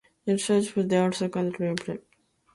It shows that their test scores improve